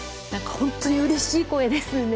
本当にうれしい声ですね。